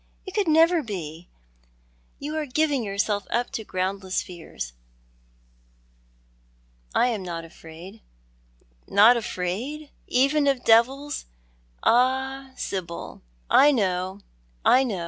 It could never be ! You are giving yourself up to groundless fears. I am not afraid " "Not afraid, even of devils? Ah, Sibyl, I know, I know!